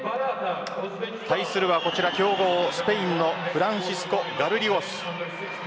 対するはこちら強豪スペインのフランシスコ・ガルリゴス。